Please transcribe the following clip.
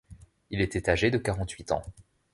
Il était âgé de quarante-huit ans.